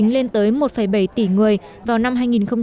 châu phi đã ước tính lên tới một bảy tỷ người vào năm hai nghìn ba mươi